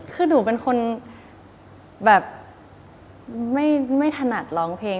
คือหนูเป็นคนแบบไม่ถนัดร้องเพลง